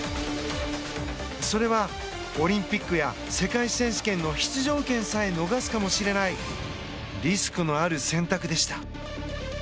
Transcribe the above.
それは、オリンピックや世界選手権の出場権さえ逃すかもしれないリスクのある選択でした。